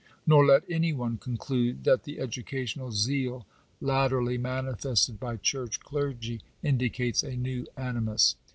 Nor let any one conclude that the educational zeal latterly manifested by Church clergy indicates a new animus.